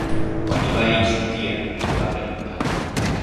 Cuan i va ir su tía le va preguntar.